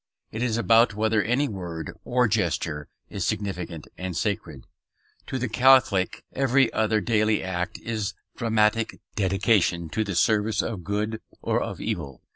It is about whether any word or gesture is significant and sacred. To the Catholic every other daily act is dramatic dedication to the service of good or of evil.